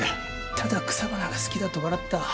ただ草花が好きだと笑った。